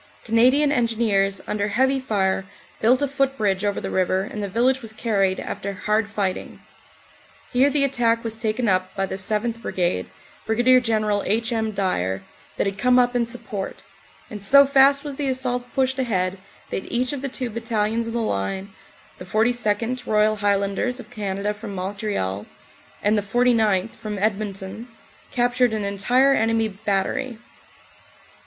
Canadian Engineers under heavy fire built a footbridge over the river and the village was carried after hard fighting. Here the attack was taken up by the 7th. Brigade, Brig. General H. M. Dyer, that had come up in support, and so fast was the assault pushed ahead that each of the two battalions in the line, the 42nd., Royal Highlanders of Canada from Montreal, and the 49th., from Edmonton, captured an entire enemy bat tery.